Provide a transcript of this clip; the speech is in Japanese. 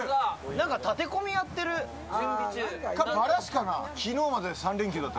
なんか建て込みやってる、バラシかな？